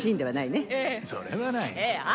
それはない。